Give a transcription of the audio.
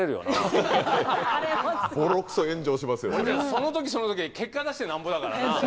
その時その時で結果出してなんぼだからな。